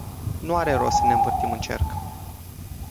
Nu are rost să ne învârtim în cerc.